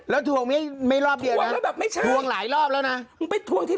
ละทวงไม่รอบเดียวนะแล้วแบบไม่ใช่ลายรอบแล้วน่ะลุงไปทวงที่